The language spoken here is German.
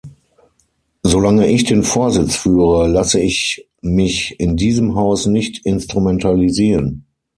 Solange ich den Vorsitz führe, lasse ich mich in diesem Haus nicht instrumentalisieren.